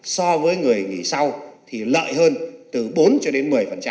so với người nghỉ sau thì lợi hơn từ bốn cho đến một mươi